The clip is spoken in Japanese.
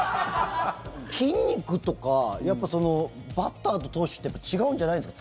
筋肉とかやっぱバッターと投手って違うんじゃないですか？